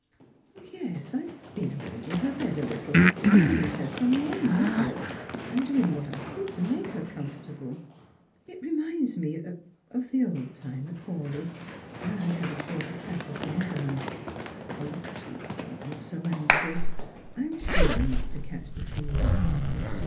" Yes , I have been arranging her bed a little, and giving her some wine you brought, and doing what I could to make her comfortable. It reminds me of — of the old time at Hawleigh, when I had a short attack of benevolence. O, please don't look so anxions. I am sure not to catch the fever.